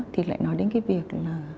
thì lại nói đến cái việc là